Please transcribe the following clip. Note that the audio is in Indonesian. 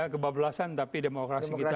kebablasan tapi demokrasi kita